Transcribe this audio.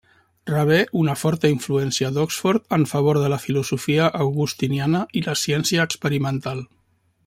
Rebé una forta influència d'Oxford en favor de la filosofia agustiniana i la ciència experimental.